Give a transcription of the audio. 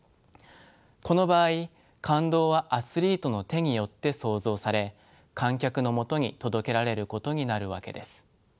この場合感動はアスリートの手によって創造され観客のもとに届けられることになるわけです。